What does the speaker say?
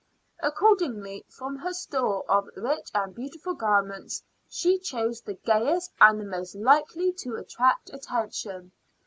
Accordingly, from her store of rich and beautiful garments, she chose the gayest and the most likely to attract attention.